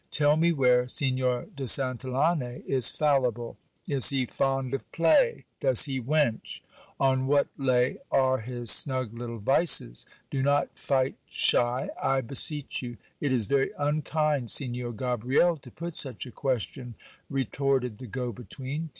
Tell me where Signor de Santillane is fallible. Is he fond of play? does he wench ? On what lay are his snug little vices ? Do not fight shy, I l>eseech you. It is very unkind, Signor Gabriel, to put such a question, re torted the go between.